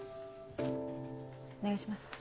お願いします。